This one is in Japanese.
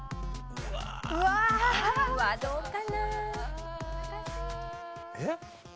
うわあどうかな？えっ？